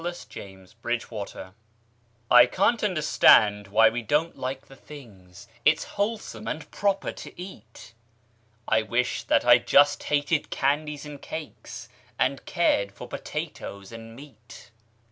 Edgar Fawcett A Sad Case I CAN'T understand why we don't like the things It's wholesome and proper to eat; I wish that I just hated candies and cakes, And cared for potatoes and meat.